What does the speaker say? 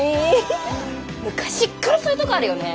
昔っからそういうとこあるよね。